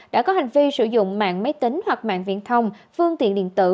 đã có hành vi sử dụng mạng máy tính hoặc mạng viễn thông phương tiện điện tử